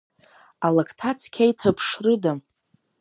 Алакҭа цқьа иҭаԥшрыда?